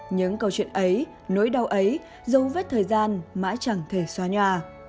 những câu chuyện ấy nỗi đau ấy dấu vết thời gian mãi chẳng thể xóa nhòa